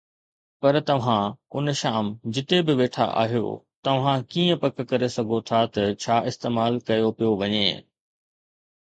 پر توهان ان شام جتي به ويٺا آهيو، توهان ڪيئن پڪ ڪري سگهو ٿا ته ڇا استعمال ڪيو پيو وڃي؟